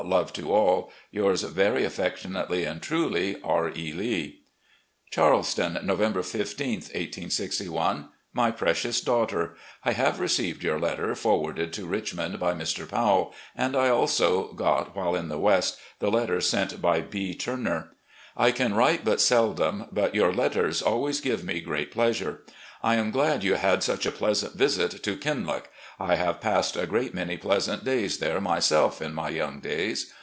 Love to all. "Yours very affectionately and truly, "R. E. Lee." "Charleston, November 15, 1861. " My Precious Daughter: I have received your letter forwarded to Richmond by Mr. Powell, and I also got, while in the West, the letter sent by B. Turner. I can write but seldom, but yo\u: letters always give me great pleasure. I am glad you had such a pleasant visit to 'Kinloch.' I have passed a great many pleasant days there myself in my young days.